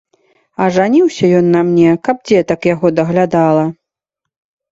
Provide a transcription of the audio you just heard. А жаніўся ён на мне, каб дзетак яго даглядала.